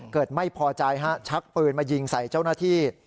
เกิดไม่พอใจฮะชักปืนมายิงใส่เจ้าหน้าที่